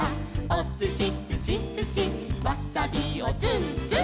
「おすしすしすしわさびをツンツン」